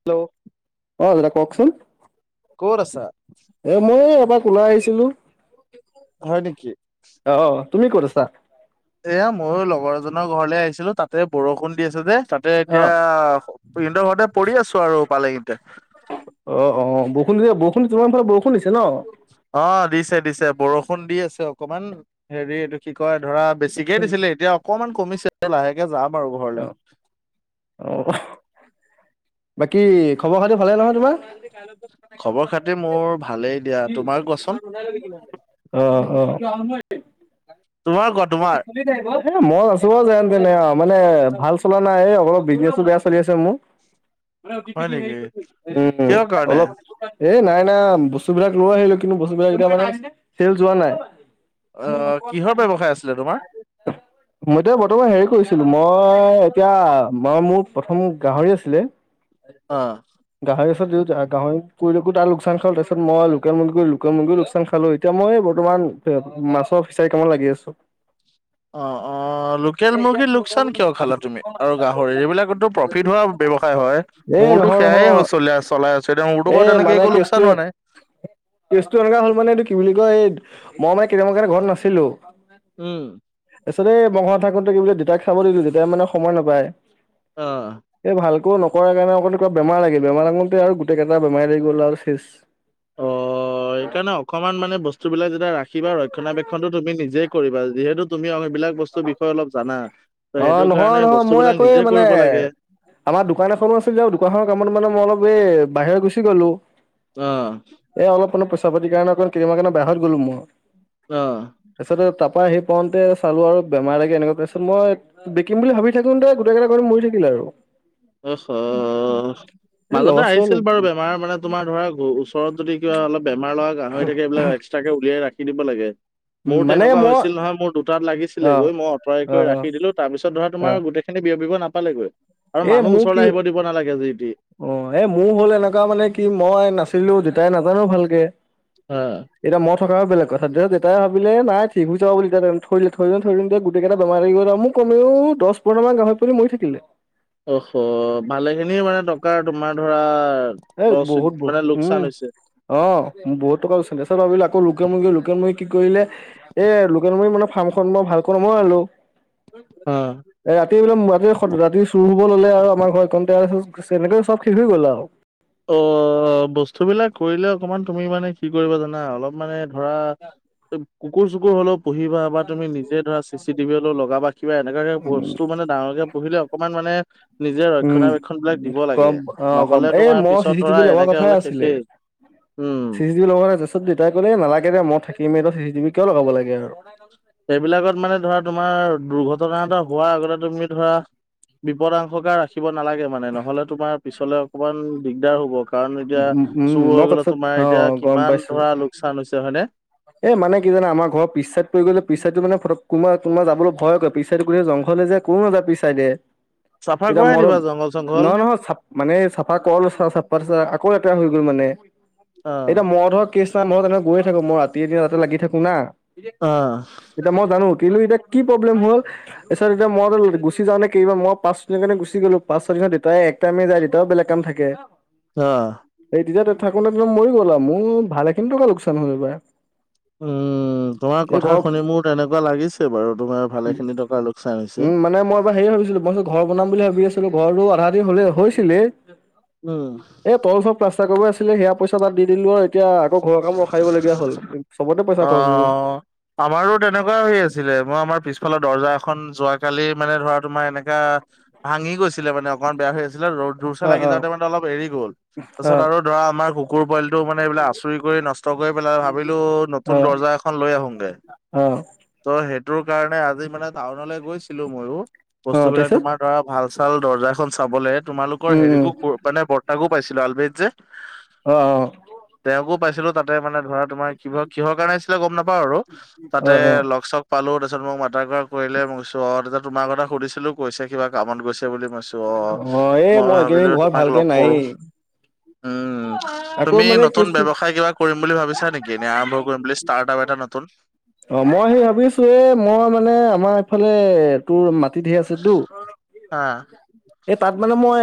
Hello অঁ দাদা কওঁকচোন। ক'ত আছা? এ মই এপাক ওলাই আহিছিলো। হয় নেকি? অ' অ' অ' তুমি ক'ত আছা? এয়া ময়ো লগৰ এজনৰ ঘৰলে আহিছিলোঁ তাতে বৰষুণ দি আছে যে তাতে এতিয়া খু ইঁহতৰ পৰি আছো আৰু পালেঙিতে। অ' অ' বৰষুণ দিয়ে বৰষুণ তোমাৰ ফালে বৰষুণ দিছে ন? অঁ, দিছে দিছে বৰষুণ দি আছে অকমান। হেৰি এইটো কি কয়, ধৰা বেছিকেই দিছিলে এতিয়া অকমান কমিছে লাহেকে যাম আৰু ঘৰলে। অঁ বাকী খবৰ খাতি ভালেই নহয় তোমাৰ? [unintelligible] খবৰ খাতি মোৰ ভালেই দিয়া তোমাৰ কোৱাচোন [unintelligible] অঁ অঁ তোমাৰ ক [unintelligible] এই মই আছোঙ আও যেনে তেনে আও, মানে ভাল চলা নাই এই অলপ বিজনেচো বেয়া চলি আছে মোৰ। [inaudible] [unintelligible] নেকি ওম ওম কিহৰ কাৰণে অলপ এ নাই নাই বস্তু বিলাক লৈ আহিলো কিন্তু বস্তুবিলাক এতিয়া মানে, চেলচ হোৱা নাই। অ' কিহৰ ব্যৱসায় আছিলে তোমাৰ? মই এতিয়া বৰ্তমান হেৰি কৰিছিলো মই এতিয়া ম মোৰ প্ৰথম গাহৰি আছিলে। অ' গাহৰি পিছত দিলো গাহৰি কৰিলোকো তাৰ লোকচান খাল তাৰপিছত মই লোকেল মুৰ্গী লোকেল মুৰ্গী লোকচ চান খালো এতিয়া মই এই বৰ্তমান মাছৰ ফিচাৰি কামাত লাগি আছো। অঁ অঁ লোকেল মুৰ্গীত লোকচান কিয় খালা তুমি আৰু গাহৰিৰ এইবিলাকতো প্ৰফিট হোৱা ব্যৱসায় হয়। এ মোৰতো নহয় সেয়াই হৈ নহয় চল চলাই আছো, এতিয়া মোৰতো এ বাৰু তেনেকে মানে একো কেচটো লোকচান হোৱা নাই। কেচটো এনেকুৱা হ'ল মানে এইটো কি বুলি কয়, এই মই মানে কেইদিন মানৰ কাৰনে ঘৰত নাছিলোঁ। উম। তাৰপিছত এই মই ঘৰত থাকোতে কি বুলি দেউতাক চাব দিলো দেউতাই মানে সময় নাপায়। অঁ। এই ভালকৈ নকৰা কাৰণে আকণ কিবা বেমাৰ লাগিলে, বেমাৰ লগোতে আৰু গোটেইকেইটা বেমাৰ লাগি গল আৰু চেছ। অ। সেইকাৰণে অকমান মানে বস্তু বিলাক যেতিয়া ৰাখিবা, ৰক্ষণাবেক্ষণটো তুমি নিজে কৰিবা যিহেতু তুমি বিলাক বস্তুৰ বিষয়ে অলপ জানা, ত অ সেইটো নহয় কাৰণে নহয় বস্তু মই বিলাক আকৌ এই নিজে মানে কৰিব লাগে। আমাৰ দোকান এখনো আছিল যে, দোকানখনৰ কামত মানে মই অলপ এই বাহিৰৰে গুচি গ'লো। অ', এ অলপ মান পইচা পাতিৰ কাৰণে অকন কেইদিন মানৰ কাৰনে বাহিৰত গ'লো মই। অঁ। তাৰপিছত এ তাৰপৰা অহি পাওঁতে চালো আৰু বেমাৰ লাগি এনেকুৱা, তাৰপাছত মই বিকিম বুলি ভাবি থাকোতে গোটেই কেইটা গাহৰি মৰি থাকিলে আৰু। অ হহহ। এই মাজতে লছ হ'ল আহিছিল বাৰু উম বেমাৰ, মানে তোমাৰ ধৰা ওচৰত যদি কিবা অলপ বেমাৰ লগা গাহৰি থাকে এইবিলাক এক্স তাকে উলিয়াই ৰাখি দিব লাগে। মোৰো মানে তেনেকুৱা মই হৈছিল নহয় মোৰ দুটাত অ লাগিছিলে গৈ মই আঁতৰাই অ কৰি অ ৰাখ দিলো তাৰপিছত ধৰা অ তোমাৰ গোটেই বিয়পিব নাপালেগৈ, আৰু এই মানুহ মোৰ কি ওচৰলে আহিব দিব নালাগে যি টি। অ এ মোৰ হ'ল এনেকুৱা মানে কি মই নাছিলো দেউতাই নাজানে ভালকে। আ। এতিয়া মই থকা হলে বেলেগ কথা, দেউতাই ভাবিলে নাই ঠিক হৈ যাব বুলি এতিয়ালে থৈ দিলে থৈ দিওঁতে থৈ দিওঁতে গোটেইকেইটা বেমাৰ লাগি গল আও মোক কমেও দছ পোন্ধৰটামান গাহৰি পোৱালি মৰি থাকিলে। অহ ভালে খিনিৰ মানে টকাৰ তোমাৰ ধৰা এই লচ বহুত মানে বস্তু লোকচান উম। হৈছে। অ মোৰ বহু টকা [unintelligible] ভাবিলে আকৌ লোকেল মুৰ্গী লোকেল মুৰ্গী কি কৰিলে এ লোকেল মুৰ্গী মানে ফাৰ্মখন মই ভালকৈ নৱনালো। অঁ। এ ৰাতি এইবিলাক ৰাতি ৰাতি চুৰ হব ললে আৰু আমাৰ ঘৰত এই কনতে আৰু [unintelligible] চব শেষ হৈ গ'ল আও। অ বস্তুবিলাক কৰিলে অকমান তুমি মানে কি কৰিবা জানা? অলপ মানে ধৰা কুকুৰ চুকুৰ হলেও পুহিবা বা তুমি নিজে ধৰা চি চি টিভি হলেও লগাবা, কিবা এনেকুৱাে বস্তু মানে ডাঙৰকে পোহিলে অকমান মানে নিজে উম, ৰক্ষণাবেক্ষন বিলাক দিব লাগে, গম অ' গম নহলে এই তোমাৰ মই চি পিছত চি টিভি ধৰা লগোৱা এনেকে কথাই হলে আছিলে। শেষেই উম। [unintelligible] দেউতাই কলে নালাগে দে মই থাকিম এইটো চি চি টি কিয় লগাব লাগে আৰু। সেইবিলাকত মানে ধৰা তোমাৰ দুৰ্ঘটনা এটা হোৱাৰ আগতে তুমি ধৰা বিপদাংশকাৰ ৰাখিব নালাগে মানে নহলে তোমাৰ পিছলে অকমান দিগদাৰ হ'ব। কাৰণ উম এতিয়া উম চুৰ মই হৈ গলে কথাত তোমাৰ অ এতিয়া গম কিমান পাইছো ধৰা লোকচান হৈছে, হয়নে? এ মানে কি জানা? আমাৰ ঘৰ পিছ চাইড পৰি গলে পিছ চাইডটো মানে ফটক কোনোব কোনোবা যাবলৈ ভয় কৰে, পিছ চাইডটো গোটেই জংঘলে যে। কোন নাযায় পিছ চাইডে, চাফা এতিয়া কৰাই মই ত দিবা জংঘল চংঘল নহয় নহয় চ মানে চাফা [unintelligible] আকৌ লেতেৰা হৈ গ'ল মানে, অ এতিয়া মই ধৰক [unintelligible] মই মানে গৈ থাকো মই ৰাতি দিনে তাতে লাগি থাকো না। হা। এতিয়া মই জানো কিন্তু এতিয়া কি প্ৰব্লেম হ'ল তাৰপিছত এতিয়া মই [unintelligible] গুচি যাওঁতে কেইবা মই [unintelligible] কাৰনে গুচি গলো [unintelligible] দেউতাই এক টাইমে যায় দেউতাৰো বেলেগ কাম থাকে। অহ। এই তেতিয়া তই থাকোতে একদম মৰি গ'ল আৰু মোৰ, ভালেখিনি টকা লোকচান হ'ল এইবাৰ। উম তোমাৰ এই কথা ঘৰৰ শুনি মোৰ তেনেকুৱা লাগিছে বাৰু তোমাৰ ভালেখিনি টকাৰ লোকচান হৈছে। উম মানে মই হেৰি ভাবিছিলো মই ঘৰ বনাম বুলি ভাবি আছিলো, ঘৰটো আধা-আধি হ'লেই, হৈছিলেই। উম। এ তল চব প্লাষ্টাৰ কৰিব আছিলে সেয়া পইচা তাত দি দিলো আৰু এতিয়া আকৌ ঘৰৰ কাম ৰখাই দিব লগীয়া হ'ল। চবতে পইচা খৰচ হৈ গ'ল অহ'। আমাৰো তেনেকুৱাই হৈ আছিলে, মই আমাৰ পিছফালৰ দৰ্জা এখন যোৱাকালি মানে ধৰা তোমাৰ এনেকা ভাঙি গৈছিলে মান অকণমান বেয়া হৈ আছিল। তাৰ পাছত ৰড যুৰ্চে অ লাগি অ যাওঁতে মানে অলপ এৰি গ'ল, অ তাৰপিছত আৰু ধৰা আমাৰ কুকুৰ পোৱালিটো মানে এইবিলাক আচো কৰি নষ্ট কৰি পেলাই ভাবিলো নতুন অ দৰ্জা এখন লৈ আহোগে। ত' সেইটোৰ কাৰণে আজি মানে টাউনলৈ গৈছিলো ময়ো, অ অ বস্তুবিলাক তাৰপিছত তোমাৰ ধৰা ভাল-চাল দৰ্জা এখন চাবলে, তোমালোকৰ উম উম হেৰিকো ক মানে ব তাকো পাইছিলো আলবেদ যে অ', অ'। তেওঁকো পাইছিলো তাতে মানে ধৰা তোমাৰ কিবা কিহৰ কাৰণে আহিছিলে গম নাপাও‌ঁ আৰু অ তাতে অ লগ-সগ পালো তাৰপিছত তোমাৰ মাতা কৰা কৰিলে মই কৈছোঁ অ' দাদা, তাৰপিছত তোমাৰ কথা সুধিছিলো কৈছে কিবা কামত গৈছে বুলি, মই কৈছোঁ অ', অ'। এই মই ভাবিলো এইকেইদিন ঘৰত তোমাক ভালকে লগ কৰো। নায়েই উম, আকৌ তুমি মানে ন কিস্তি খাই কিবা কৰিম বুলি ভাবিছা নেকি এনে আৰম্ভ কৰিম বুলি ষ্টাৰ্ট আৰু এটা নতুন। অ' মই সেই ভাবিছো এ মই মানে আমাৰ এইফালে তোৰ ম টি ধেই আছে টো। হা এই তাত মানে মই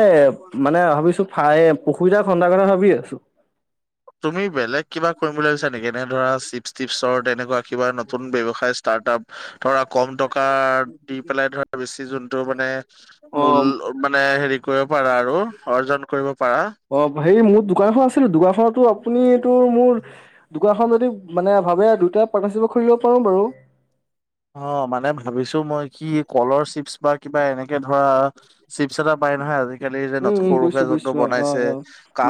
মানে ভাবিছো ফাই পুখুৰী এটা ঘন্দাৰ কথা ভাবি আছো। তুমি বেলেগ কিবা কৰিম বুলি ভাবিছা নেকি এনে ধৰা চিপ টিপছৰ তেনেকুৱা কিবা নতুন ব্যয়সায় চ ষ্টাৰ্ট তাপ ধৰা কম টকা দি পেলাই ধৰা বেছি যোনটো মানে মূল অ'। মানে হেৰি কৰিব পাৰা আৰু অৰ্জন কৰিব পাৰা। অ' হেৰি মোৰ দোকানখন আছে টো, দোকানখনতো আপুনিটোৰ মোৰ দোকানখন যদি মানে ভাবে দুটাই পাৰ্টিশিপেত খুৰিব পাৰোঁ বাৰু। অ' মানে ভাবিছো মই কি কলৰ চিপছ বা কিবা এনেকে ধৰা চিপচ এটা পাই নহয় আজি কালিৰ যে ন উম উম সৰুকে বুজিছো জোনটো বুজিছো অ বনাইছে, অ অ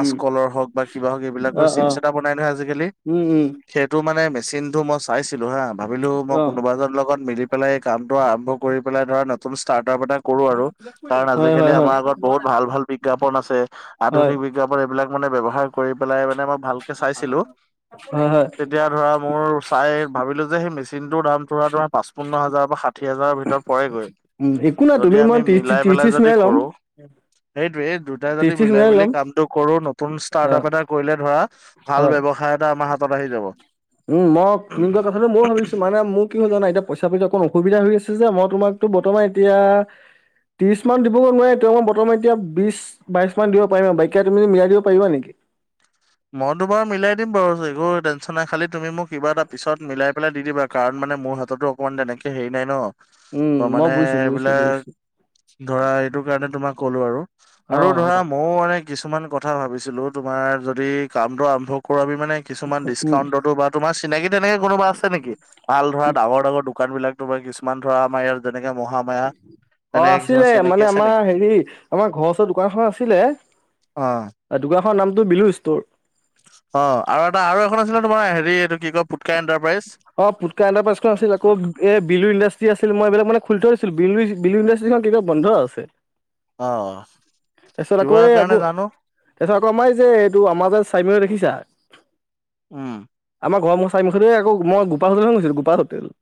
উম হওক বা কিবা হওক, অ এইবিলাকৰ অ চিপছ এটা বনাই নহয় আজিকালি। উম উম। সেইটো মানে মেচিন টো মই চাইছিলো হা ভাবিলো মই অ কোন লগৰৰ লগত মিলি পেলাই এই কামটো আৰম্ভ কৰি পেলাই ধৰা নতুন ষ্টাৰ্ট আপ এটা কৰো আৰু। কাৰণ হয় আজিকালি হয় হয় আমাৰ আগত বহুত ভাল ভাল বিজ্ঞাপন আছে, হয় আধুনিক বিজ্ঞাপন এইবিলাক মানে ব্যৱহাৰ কৰি পেলাই মানে, মই ভালকে চাইছিলো হয় হয় তেতিয়া ধৰা মোৰ চাই ভাবিলো যে সেই মেচিনটোৰ দাম ধৰা তোমাৰ পাঁচপন্ন হাজাৰ বা ষাঠি হাজাৰৰ ভিতৰত পৰেগৈ। উম একো নাই তুমি যদি মই আমি ত্ৰিশ মিলাই ত্ৰিশ পেলাই ত্ৰিশ যদি মিলাই ল'ম কৰো সেইটোয়েই দুটাই ত্ৰিশ যদি ত্ৰিশ মিলাই মিলি ল'ম কামটো কৰো নতুন অ ষ্টাৰ্ট আপ এটা কৰিলে ধৰা ভাল হয় ব্যৱসায় এটা আমাৰ হাতত আহি যাব। উম, মই তুমি কোৱা কথাটো ময়ো ভাবিছো মানে মোক কি হ'ল জানা এতিয়া পইচা পাতি অকণ অসুবিধা হৈ আছে যে, মই তোমাকতো বৰ্তমান এতিয়া ত্ৰিশ মান দিবগৈ নোৱাৰে, তেওঁ মই বৰ্তমান এতিয়া বিশ বাইশ মান দিব পাৰিম আৰু বাকীকেইটা তুমি মিলাই দিব পাৰা নেকি। মইতো বাৰু মিলাই দিম বাৰু [unintelligible] টেনশ্যন নাই খালি তুমি মোক কিবা এটা পিছত মিলাই পেলাই দি দিবা কাৰণ মানে মোৰ হাততো অকমান তেনেকে হেৰি নাই ন, উম ত' মই মানে বুজিছো বুজিছো এবিলাক বুজিছো ধৰা এইটো কাৰণে তোমাক ক'লো আৰু, অ আৰু ধৰা ম মও মানে কিছুমান কথা ভাবিছিলোঁ তোমাৰ যদি কামটো আৰম্ভ কৰোঁ আমি মানে কিছুমান উম ডিচকাউণ্টতো বা তোমাৰ চিনাকি তেনেকে কোনোবা আছে নেকি ভাল ধৰা ডাঙৰ ডাঙৰ দোকান বিলাক তোমাৰ কিছুমান ধৰা আমাৰ এয়াত যেনেকে মহামায়া। অ' তেনেকে কিছুমান আছিলে চিনাকি মানে আছে আমাৰ নেকি হেৰি আমাৰ ঘৰ ওচৰ দোকানখনত আছিলে। অ'। আ দোগাখৰ নামটো বিলু ষ্ট'ৰ। অ' আৰু এটা আৰু এখন আছিলে তোমাৰ হেৰি এইটো কি কয় পুটকা এণ্টাৰপ্ৰাইজ। অ' পুটকা এণ্টাৰপ্ৰাইজটো আছিল আকৌ এ বিলু ইণ্ডাষ্টি আছিল মই এবিলাক মানে খুলি থ [unintelligible] বিলু-বিলু ইণ্ডাচ [unintelligible] বন্ধ আছে। অ', কিবা কাৰণে জানোঁ। তাছত আকৌ আমাৰ এইযে এইটো আমাৰ যে চাইমেৰ দেখিছা। উ। আমাৰ ঘৰমুখ চাইমুখেদে আকৌ মই গোপা [unintelligible] গোপা হোটেল।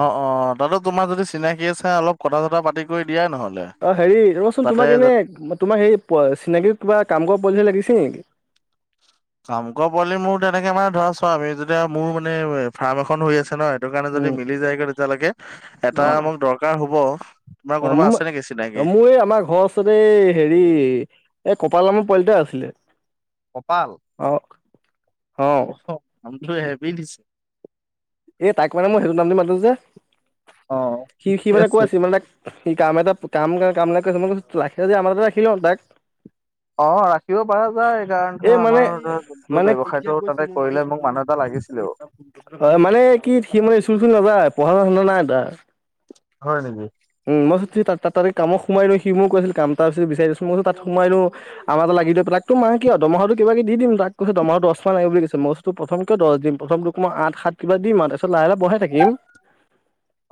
অ', অ' তাতো তোমাৰ যদি চিনাকি আছে অলপ কথা চথা পাতি কৰি দিয়া নহ অ' হেৰি ৰচোন তোমাক এনেই, তোমাৰ হেৰি প, চিনাকী কিবা কাম কৱা [unintelligible] লাগিছিল নেকি। কাম কৱা পোৱালি মোৰ তেনেকে মানে ধৰা চোৱা আমি যেতিয়া, মোৰ মানে ফাৰ্ম এখন হৈ আছে ন। এটো কাণে উম যদি মিলি যায়গৈ তেতিয়ালেকে এটা উম মোক দৰকাৰ হ'ব। মা অ কোনোবা আছে মোৰ নেকি চিনা অ' মোৰ আমাৰ ঘচ [unintelligible] এই হেৰি এই কপাল নামৰ পোৱালিটা আছিলে। কপাল, অ অ' নামটো হেভি দিছে। এ তাক মানে মই হেটো নাম দি মাতো যে, অ', সি সি ঠিকে মানে কৈ আছে। আছিল মানে তাক সি কাম এটাত, কাম গাই কাম নাই কৈ আছিল। মই বোলো লাখে যে আমাৰ তাতে ৰাখি দিয়ক তাক। অ' ৰাখিব পাৰা যায় কাৰণ এই ধৰা মানে আমাৰ ধৰা জোনটো মানে ব্যৱসায়টো তাতে কৰিলে মোক মানুহ এটা লাগিছ হয় মানে কি সি মানে স্কুলখন নাযায়। পঢ়া [unintelligible] ধান্দা নাই তাৰ। হয় নেকি? উ মই [unintelligible] তাত-তাত-তাতে কাম সোমোৱাই লৈ সি মোৰ কৈছিল কাম টা আছে বিচাই দেচোন। মইতো তাত সুমাইৰো আমা যে লাগিদৈ পিলাক তো মাই কিয় দমহাওটো কিবাকে দি দিম তাক। কৈছে দমহাও দশমান লায়ে বুলি কৈছে মচ তো প্ৰথম কিয় দছ দিম। প্ৰথম তোক মই আঠ সাত কিবা দিম আ তাছত লাই লা বহাই থাকিম।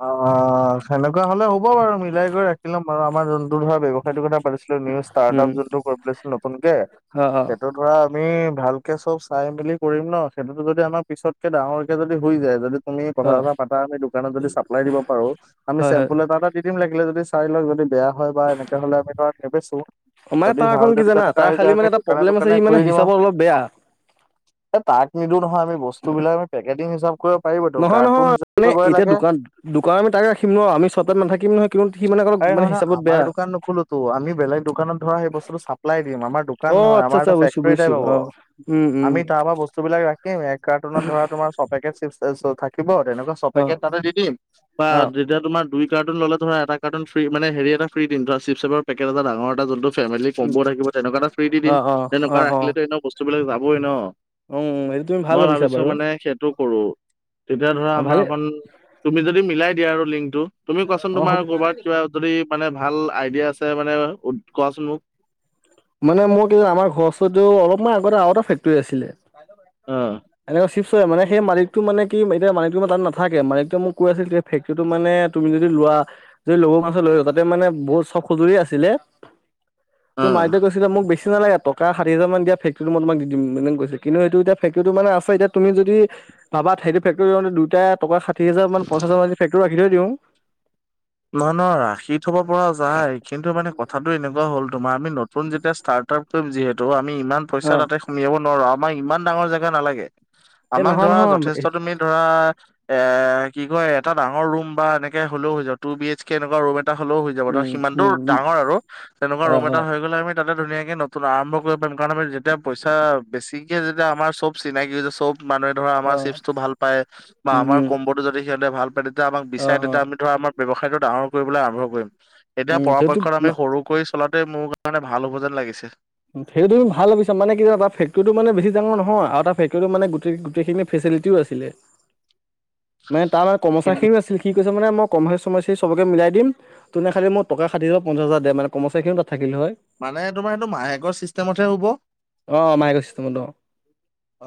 অ' সেনেকুৱা হ'লে হ'ব বাৰু মিলাই কৰি ৰাখি লম আৰু আমাৰ জোন তোৰ ধ ব্যবসায়টো কথা পাতিছিলোঁ নিউ ষ্টাৰ্ট উম আপ জোনটো [unintelligible] নতুনকে অ অ সেটোত কৰা আমি ভালকে চব চাই মেলি কৰিম ন সেটোতো যদি আমাৰ পিছতকে ডাঙৰকে যদি হৈ যায়, যদি তুমি কথা অ চথা পাতা যে দোকানত যদি চাপ্লাই দিব পাৰোঁ, আমি হয় হয় চেম্পু ল কিবা এটা দি দিম লাগিলে যদি চাই লওঁ যদি বেয়া হয় বা এনেকে হ'লে আমি ধৰা নেবেচো। মানে যদি তাৰ ভাল অকণ কি যদি জানা [unintelligible] তাৰ হৈ খালি যায় আমি মানে এটা দোকানে প্ৰব্লেম আছে দোকানে সি মানে ঘূৰি দিওঁ। হিচাপত অলপ বেয়া এ তাক নিদো নহয় আমি বস্তু বিলাক আমি পেকেটিং হিচাপ কৈ পাৰিবতো কাৰ্টুন হিচাপ [unintelligible] লাগে। দোকা আমি তাক ৰাখিম ন। আমি চব টাম নাথাকিম নহয়। কিনো সি মানে [unintelligible] এই নহয় নয় হিচাপত আমাৰ বেয়া দোকান নোখোলোটো, আমি বেলেগ দোকানত ধৱা হেই বস্তুটো চাপ পিলাই দিম। আমাৰ দোকান অ নহয়, আচ্ছা আমাৰ আচ্ছা এটা বুজিছোঁ ফেক্টৰী টাইপ বুজিছোঁ হ'ব। অ উম উম আমি তাপা বস্তু বিলাক ৰাখিম এ কাৰ্টুনত ধৱা তোমাৰ ছপেকেট ছিপছ্ [unintelligible] থাকিব। তেনেকুৱা অ ছপেকেট তাতে দি দিম বা অ দি এতিয়া তোমাৰ দুই কাৰ্টন ল'লে ধৰা এটা কাৰ্টন ফ্ৰী মানে এটা ফ্ৰী দিম ধৰা চিপচ এপৰ পেট এটা ডাঙৰ এটা যোনটো ফেমিলি কম'ব উম থাকিব তেনেকুৱা এটা ফ্ৰী অ দিম, অ তেনেকুৱা অ অ ৰাখিলেটো এনে বস্তুবিলাক যাবই ন। উম, সেইটো তুমি ভাল মই ভাবিছা ভাবিছো বাৰু মানে সেইটো কৰো, তেতিয়া ধৰা অ, আমাৰ ভালে অকন - তুমি যদি মিলাই দিয়া আৰু লিংকটো তুমি কোৱাচোন অ, তোমাৰ হ'ব ক'ৰবাত কিবা যদি মানে ভাল আইডিয়া আছে মানে কোৱাচোন মোক মানে মোৰ কি আমাৰ ঘৰ ওচৰতে অলপমান আগতে আৰু এটা ফেক্টৰী আছিলে উমঁ। এনেকুৱা চিপছ্ মানে সেই মালিকটো মানে কি এতিয়া মালিকটো মানে তাত নাথাকে মালিকটো মোক কৈ আছিল ফেক্টৰীটো মানে তুমি যদি লোৱা যদি ল'বলৈ মন আছে লৈ লোৱা তাতে মানে বহুত চব সজুলি আছিলে [unintelligible] যে উম কৈছিলে মোক বেছ টো নালাগে ষাঠিহাজাৰ মান দিয়া ফেক্টৰীটো মই তোমাক দি দিম, মানে কৈছে কিন্তু সেটো এতিয়া ফক্টৰীটো মানে আছে এতিয়া তুমি যদি ভাবা সেইটো ফেক্টৰীটো মানে দুইটা টকা ষাঠি হাজাৰ মান প‌ইচা জমাদি ফেক্টৰীটো ৰাখি থৈ দিওঁ। নহয় নহয় ৰাখি থব পৰা যায় কিন্তু মানে কথাটো এনেকুৱা হ'ল তোমাৰ আমি নত থম যেতিয়া ষ্টাৰ্ট আপ কৰিম যিহেতু আমি ইমান - পইচা অ, তাতে সুমিয়াব নোৱাৰোঁ, আমাৰ ইমান ডাঙৰ জেগা নালাগে। এই আমাক ধৰা নহয়-নহয় যথেষ্ট তুমি- ধৰা এ কি কয় এটা ডাঙৰ ৰুম বা এনেকে হ'লেও হৈ যাব, টু বি এইচ কে এনেকুৱা ৰুম এটা। এটা হ'লেও হৈ যাব তৰ সিমানটোৰ উম-উম-উম, ডাঙৰ আৰু তেনেকুৱা ৰুম এটা হৈ অ-অ-অ। গ'লে আমি তাতে ধুনীয়াকে নতুন আৰম্ভ কৰিব পাৰিম কাৰণ আমি যেতিয়া পইচা বেছি যেতিয়া যেতিয়া আমাৰ চব চিনাকি যে চব মানুহে ধৰা আমাৰ চিপটো ভাল পায় বা উম, আমাৰ উম, কম্বত আৰু যদি সিহঁতে ভাল পায়, তেতিয়া আমাক অ', বিচাৰে তেতিয়া অ', আমি ধৰা আমাৰ ব্যৱসায়টো ডাঙৰ কৰিবলৈ আৰম্ভ কৰিম। এতিয়া উম, সেইটো পৰাপক্ষত আমি সৰু কৰি চলাতোৱে মোৰ কাৰণে ভাল হ'ব যেন লাগিছে সেইটো তুমি ভাল ভাবিছা মানে কি জানা ফেক্টৰীটো মানে বেছি ডাঙৰ নহয় আৰু তাত মানে ফেক্টৰীটো গোটেই গোটেইখিনি ফেচিলিটিও আছিলে। [unintelligible] তাৰ মানে কৰ্মচাৰী কিন্তু খিনিও আছিল সি কৈছে মানে মোক কমাচি চমাচি চবকে মিলাই দিম, তোনে খালী মোক টকা ষাঠিহাজাৰ বা পঞ্চাছ হাজাৰ দে মানে কমচাইখিনি তাত থাকিল হয়। মানে তোমাৰ সেইটো মাহেকৰ চিষ্টেমতহে হ'ব। অ মাই কৰিছষ্ট তোমল অ অ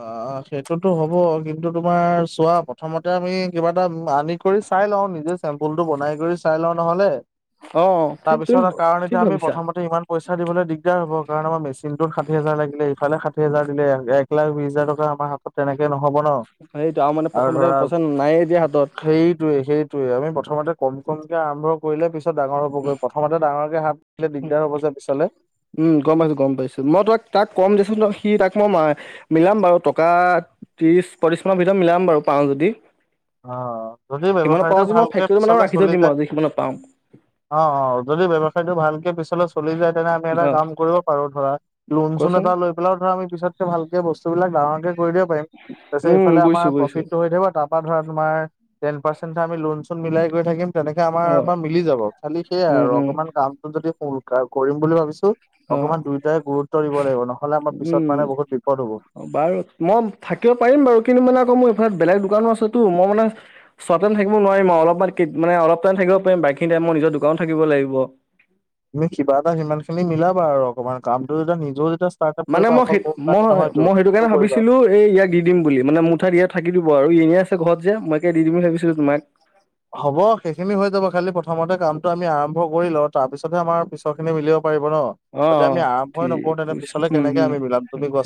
সেইটোতো হ'ব কিন্তু তোমাৰ চোৱা প্ৰথমতে এতিয়া আমি কিবা এটা আনি কৰি চাই লওঁ নিজে চেম্পুলটো বনাই কৰি চাই লওঁ নহলে। অ', ঠিক তুমি তাৰপিছত কাৰণ ঠিক এতিয়া আমি ভাবিছা। প্ৰথমতে ইমান পইচা দিবলৈ দিগদাৰ হ'ব। কাৰণ আমাৰ মেচিনটোত ষাঠি হাজাৰ লাগিলে, ইফালে ষাঠি হাজাৰ দিলে, এক এক লাখ বিশ হাজাৰ টকা আমাৰ হাতত তেনেকে নহব ন। সেইটো মানে আৰু প্ৰথমতে ধৰা পইচা নায়ে এতিয়া হাতত। সেইটোৱে সেই সেইটোৱে, আমি প্ৰথমতে কম কমকে আৰম্ভ কৰিলে পিছত ডাঙৰ হ'বগৈ। প্ৰথমতে ডাঙৰকে হাত নহলে দিগদাৰ হ'ব যে পিছলে। উম, গম পাইছোঁ, গম পাইছোঁ। মই তোমাক-তাক কম দেচোন, সি তাক মই-মা মিলাম বাৰু টকা ত্ৰিশ পঁত্ৰিশ মানৰ ভিতৰত মিলাম বাৰু পাওঁ যদি। অ যদি সিমানত পাওঁ ব্যৱসায়টো আজি মই ভালকে ফেক্টৰী মানে পিছলে ৰাখি চলি থৈ যায় দিম আৰু যি সিমানে পাওঁ। অ অ যদি ব্যৱসায়টো ভালকে পিছলে চলি যাই তেনেহ'লে আমি এটা অ কাম কৰিব পাৰো ধৰা লোণ চোণ কোৱাচোন এটা লৈ এইফালও ধৰ আমি পিছতকে ভালকে বস্তুবিলাক ডাঙৰকে কৰি দিব পাৰিম তাৰপিছত উম এইফালে আমাৰ বুজিছো বুজিছো প্ৰফিটটো হৈ থাকিব তাৰ পা ধৰা তোমাৰ টেন পাৰ্চন্ এটা আমি লোন চোন মিলাই গৈ থাকিম। তেনেকে আমাৰ অ বা মিলি যাব খালি সেইয়াই উম আৰু উম অকমান কামটো যদি সুৰক্ষা কৰিম বুলি ভাবিছো। অ অকমান দুয়োটাই গুৰুত্ব দিব লাগিব নহ'লে আমাৰ পিছত উম মানে বহুত বিপদ হ'ব। বাৰু মই থাকিব পাৰিম বাৰু কিন্তু মানে আকৌ মোৰ এইফালে বেলেগ দোকানো আছেতো মই মানে চোৱাতেম থাকিব নোৱাৰিম অলপমান কে, মানে অলপ টাইম থাকিব পাৰিম বাইীখিনি টাইম মই নিজৰ দোকানত থাকিব লাগিব। তুমি কিবা এটা সিমান খিনি মিলাবা আৰু অকনমান কামটো যেতিয়া নিজেও যেতিয়া ষ্টাৰ্ট আপ মানে কৰিবা মই অকল সেই, মোৰ কাৰণে মই নহয়তো - মই, সেইটো তুমিও কাৰণে কৰিবা। ভাবিছিলোঁ এই ইয়াক দি দিম বুলি মানে মুঠাত ইয়াত থাকি দিব আৰু ই এনেই আছে ঘৰত যে, মাকে দি দিম বুলি ভাবিছিলোঁ তোমাক। হ'ব সেইখিনি হৈ যাব খালি প্ৰথমতে কামটো আমি আৰম্ভ কৰি লওঁ তাৰ পিছতহে আমাৰ পিছৰ খিনি মিলিব পাৰিব ন'? অ যদি অ আমি আৰম্ভয়ে ঠিক নকৰো তেনে বুজিছো পিছলে উম কেনেকে আমি মিলাম উম তুমি কোৱা চু